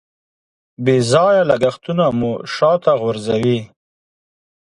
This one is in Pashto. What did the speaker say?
بې ځایه لګښتونه مو شاته غورځوي.